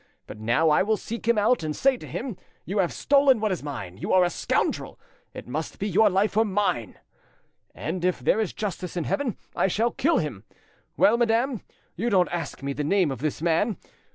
But now I will seek him out, and say to him, 'You have stolen what was mine; you are a scoundrel! It must be your life, or mine!' And if, there is justice in heaven, I shall kill him! Well, madame, you don't ask me the name of this man!